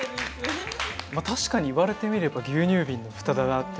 まあ確かに言われてみれば牛乳瓶の蓋だなって思いますけど。